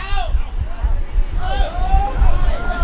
วันนี้เราจะมาจอดรถที่แรงละเห็นเป็น